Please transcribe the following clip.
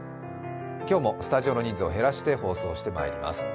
今日もスタジオの人数を減らして放送してまいります。